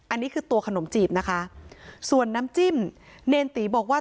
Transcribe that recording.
อันนี้คือตัวขนมจีบนะคะส่วนน้ำจิ้มเนรตีบอกว่า